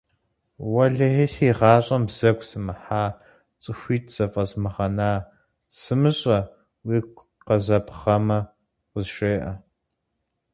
Уэлэхьи, си гъащӏэм бзэгу сымыхьа, цӏыхуитӏ зэфӏэзмыгъэна, сымыщӏэ, уигу къызэбгъэмэ, къызжеӏэ.